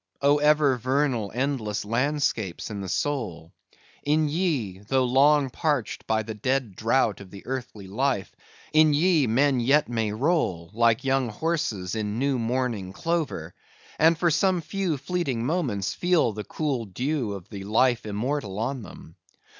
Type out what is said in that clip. oh, ever vernal endless landscapes in the soul; in ye,—though long parched by the dead drought of the earthy life,—in ye, men yet may roll, like young horses in new morning clover; and for some few fleeting moments, feel the cool dew of the life immortal on them.